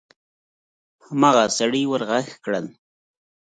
هماغه سړي ور غږ کړل: